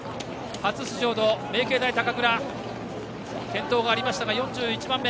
初出場の名経大高蔵は転倒がありましたが４１番目。